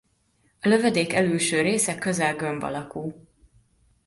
A lövedék elülső része közel gömb alakú.